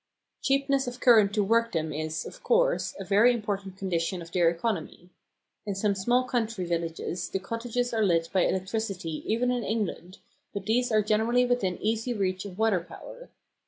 Cheapness of current to work them is, of course, a very important condition of their economy. In some small country villages the cottages are lit by electricity even in England, but these are generally within easy reach of water power.